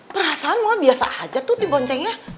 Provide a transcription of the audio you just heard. perasaan mama biasa aja tuh diboncengnya